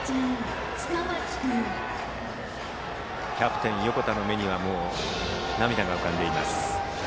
キャプテンの横田の目にはもう涙が浮かんでいました。